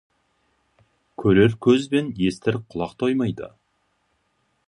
Көрер көз бен естір құлақ тоймайды.